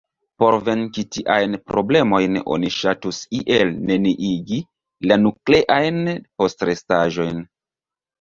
Por venki tiajn problemojn oni ŝatus iel neniigi la nukleajn postrestaĵojn.